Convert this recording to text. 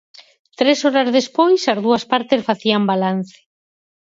Tres horas despois, as dúas partes facían balance.